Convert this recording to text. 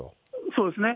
そうですね。